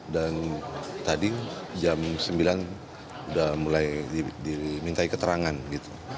dan tadi jam sembilan udah mulai dimintai keterangan gitu